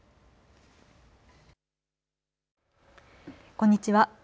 こんにちは。